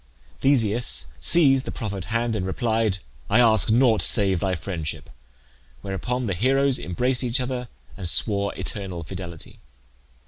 Theseus seized the proffered hand and replied, "I ask nought save thy friendship;" whereupon the heroes embraced each other and swore eternal fidelity.